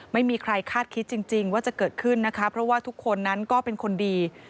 ไม่มีใครคาดคิดจริงว่าจะเกิดขึ้นนะคะเพราะว่าทุกคนนั้นก็เป็นคนดี